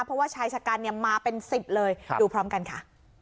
เพราะว่าชายชะกันเนี่ยมาเป็น๑๐เลยดูพร้อมกันค่ะ